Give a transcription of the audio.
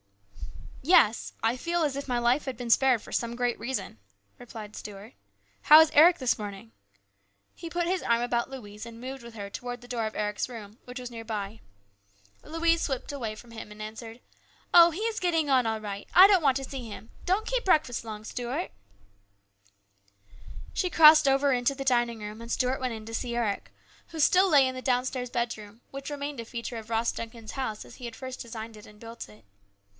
" Yes, I feel as if my life had been spared for some great reason," replied Stuart. " How is Eric this morning ?" He put his arm about Louise and moved with her towards the door of Eric's room, which was near by. Louise slipped away from him and answered, " Oh, he is getting on all right. I don't want to see him. Don't keep breakfast long Stuart." 100 HIS BROTHER'S KEEPER. She crossed over into the dining room and Stuart went in to see Eric, who still lay in the downstairs bedroom, which remained a feature of Ross Duncan's house as he had first designed and built it.